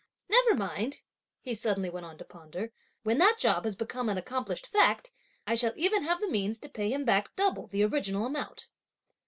Never mind," he suddenly went on to ponder, "when that job has become an accomplished fact, I shall even have the means to pay him back double the original amount."